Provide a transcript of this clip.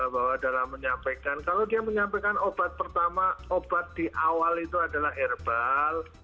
bahwa dalam menyampaikan kalau dia menyampaikan obat pertama obat di awal itu adalah herbal